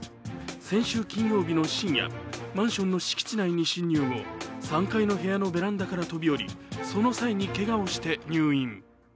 先週金曜日の深夜、マンションの敷地内に侵入後、３階の部屋のベランダから飛び降りその際にけがをして入院。